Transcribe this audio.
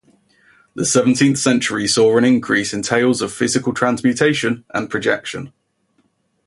The seventeenth century saw an increase in tales of physical transmutation and projection.